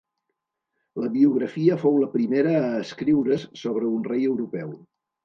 La biografia fou la primera a escriure's sobre un rei europeu.